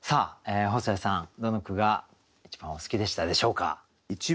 どの句が一番お好きでしたでしょうか？